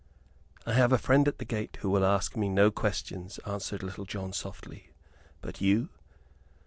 "I have a friend at the gate who will ask me no questions," answered Little John, softly. "But you?"